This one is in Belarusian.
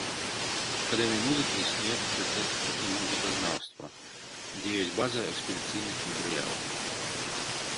Акадэміі музыкі існуе факультэт этнамузыказнаўства, дзе ёсць база экспедыцыйных матэрыялаў.